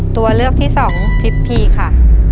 ตัวเลือกที่๒พีฟพีค่ะ